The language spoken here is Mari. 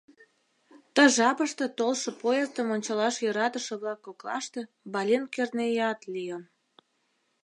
Ты жапыште толшо поездым ончалаш йӧратыше-влак коклаште Балинт Кӧрнеиат лийын.